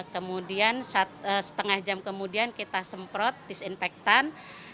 kemudian setengah jam kemudian kita semprot disinfektan